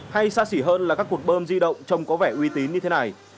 hay xa xỉ hơn là các cuộc bơm di động trông có vẻ uy tín như thế này